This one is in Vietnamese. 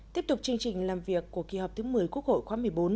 tiếp tục chương trình làm việc của kỳ họp thứ một mươi quốc hội khóa một mươi bốn